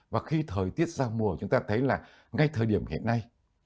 và khi thời tiết ra mùa chúng ta thấy là ngay thời điểm hiện nay